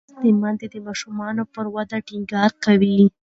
لوستې میندې د ماشوم پر ودې ټینګار کوي.